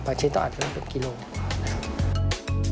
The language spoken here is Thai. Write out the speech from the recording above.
บางชีวิตต้องอาจจะเป็นกิโลกรัมนะครับ